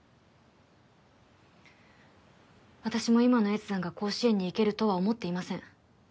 私も今の越山が甲子園に行けるとは思っていません